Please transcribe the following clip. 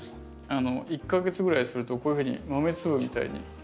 あの１か月ぐらいするとこういうふうに豆粒みたいに。